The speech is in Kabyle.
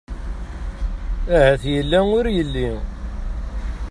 Ahat yella ur yelli.